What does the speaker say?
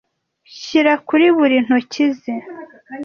shyira kuri buri ntoki ze